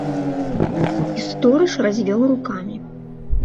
І стораж развёў рукамі.